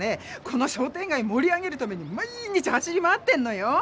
この商店がいもり上げるために毎日走り回ってんのよ！